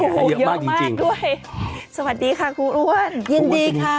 โอ้โหเยอะมากจริงจริงสวัสดีค่ะครูอุวันยินดีค่ะ